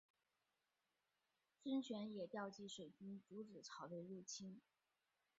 孙权也调集水军阻止曹魏入侵。